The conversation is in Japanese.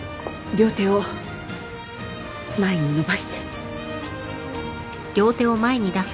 両手を前に伸ばして。